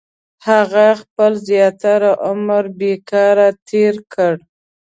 • هغه خپل زیاتره عمر بېکاره تېر کړ.